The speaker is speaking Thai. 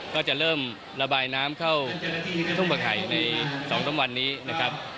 ก็จะเริ่มระบายน้ำเข้าทุ่งผักไข่ใน๒๓วันนี้นะครับ